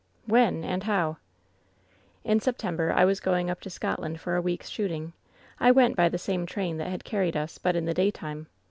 " 'When, and how V " 'In September I was going up to Scotland for a week's shooting. I went by the same train that had carried us, but in the daytime.